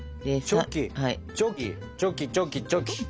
ジョキンチョキチョキチョキチョキ。